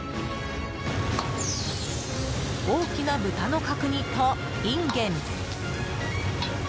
大きな豚の角煮とインゲン。